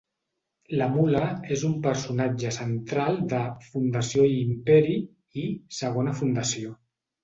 La mula és un personatge central de "Fundació i Imperi" i "Segona Fundació".